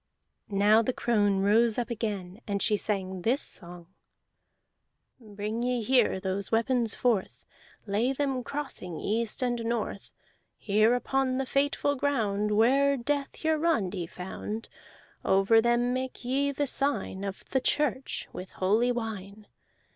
Now the crone rose up again, and she sang this song: "Bring ye here those weapons forth. Lay them crossing, east and north, Here upon the fateful ground Where death Hiarandi found. Over them make ye the sign Of the church, with holy wine.